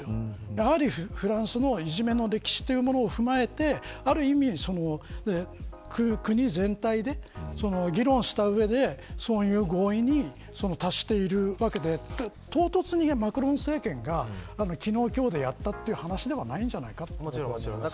やはりフランスのいじめの歴史というものを踏まえてある意味、国全体で議論した上でそういう合意に達しているわけで唐突に、マクロン政権が昨日今日でやった話ではないと思います。